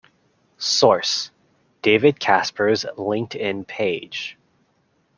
Source: David Casper's LinkedIn page.